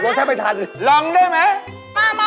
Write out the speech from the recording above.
กลับรถแค่ไปทันลำได้ไหม